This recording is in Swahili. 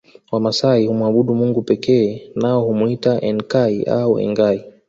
Wamasai humwabudu Mungu pekee nao humwita Enkai au Engai